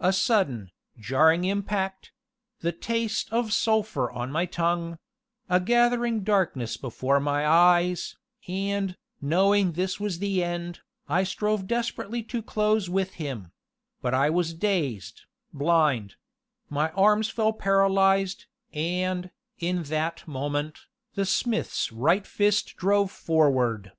A sudden, jarring impact the taste of sulphur on my tongue a gathering darkness before my eyes, and, knowing this was the end, I strove desperately to close with him; but I was dazed, blind my arms fell paralyzed, and, in that moment, the Smith's right fist drove forward.